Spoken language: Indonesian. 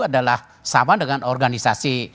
adalah sama dengan organisasi